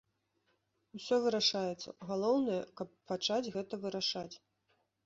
Усё вырашаецца, галоўнае, каб пачаць гэта вырашаць.